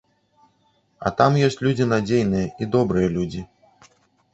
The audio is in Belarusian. А там ёсць людзі надзейныя і добрыя людзі.